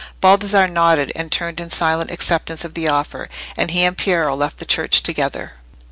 Baldassarre nodded, and turned in silent acceptance of the offer, and he and Piero left the church together.